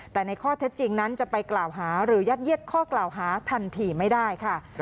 แต่ในข้อเท็จจริงนั้นจะไปกล่าวหาหรือยัดเย็ดข้อกล่าวหาทันทีไม่ได้ค่ะ